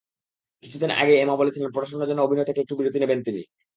কিছুদিন আগেই এমা বলেছিলেন, পড়াশোনার জন্য অভিনয় থেকে একটু বিরতি নেবেন তিনি।